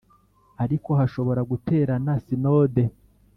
Ariko hashobora guterana Sinode